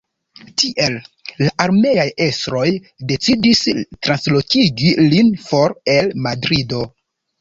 Tiel, la armeaj estroj decidis translokigi lin for el Madrido.